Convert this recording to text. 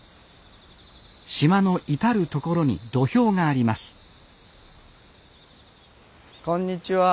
島の至る所に土俵がありますこんにちは。